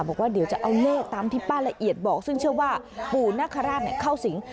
บอกว่าเดี๋ยวจะเอาเลขตามที่ป้าละเอียดบอกซึ่งเชื่อว่าปู่นคราชเข้าสิง